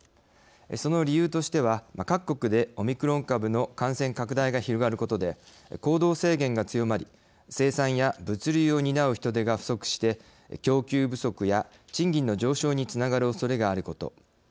その理由としては各国でオミクロン株の感染拡大が広がることで、行動制限が強まり生産や物流を担う人手が不足して供給不足や賃金の上昇につながるおそれがあること。